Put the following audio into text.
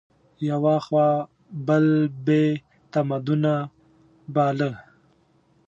یوه خوا بل بې تمدنه باله